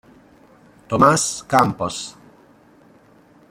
Tomás Campos